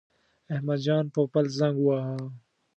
احمد جان پوپل زنګ وواهه.